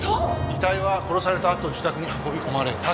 遺体は殺されたあと自宅に運ばれた。